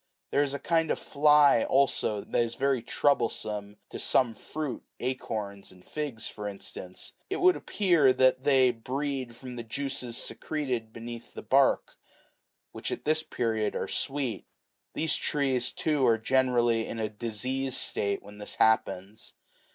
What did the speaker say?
There is a kind of fly also that is very troublesome to some fruit, acorns and figs for instance : it would appear that they breed from the juices5 secreted beneath the bark, which at this period are sweet. These trees, too, are generally in a diseased state when this happens.